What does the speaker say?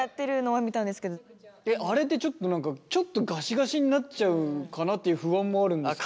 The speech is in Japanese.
あれってちょっと何かちょっとガシガシになっちゃうかなっていう不安もあるんですけど。